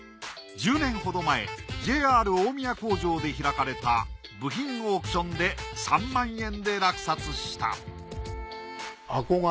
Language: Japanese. １０年ほど前ＪＲ大宮工場で開かれた部品オークションで３万円で落札した